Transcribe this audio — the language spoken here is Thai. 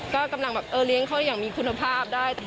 ก็กำลังแบบเออเลี้ยงเขาอย่างมีคุณภาพได้